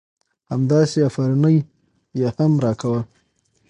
همداسې افرينى يې هم را کوه .